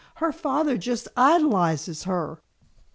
"Her father just idolizes her."